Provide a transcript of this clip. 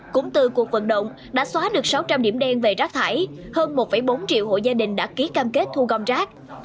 cũng từ cuộc vận động đã xóa được sáu trăm linh điểm đen về rác thải hơn một bốn triệu hộ gia đình đã ký cam kết thu gom rác